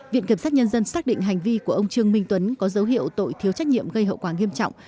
viện kiểm sát nhân dân xác định hành vi của ông trương minh tuấn có dấu hiệu tội thiếu trách nhiệm gây hậu quả nghiêm trọng